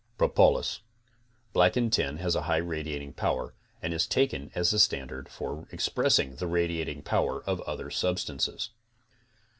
PROPOLIS Blackened tin has a high radiating power and is taken as a standard for expressing the radiating power of other substances.